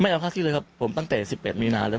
ไม่เอาค่าที่เลยครับตั้งแต่๑๘มีนาทีแล้ว